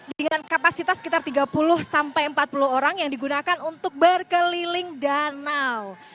dengan kapasitas sekitar tiga puluh sampai empat puluh orang yang digunakan untuk berkeliling danau